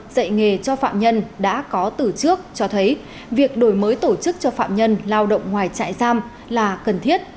dạy nghề cho phạm nhân đã có từ trước cho thấy việc đổi mới tổ chức cho phạm nhân lao động ngoài trại giam là cần thiết